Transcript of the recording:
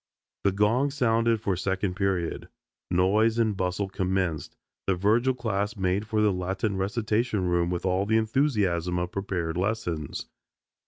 The gong sounded for second period; noise and bustle commenced, the Virgil class made for the Latin recitation room with all the enthusiasm of prepared lessons.